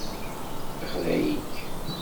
Ixdeε-ik.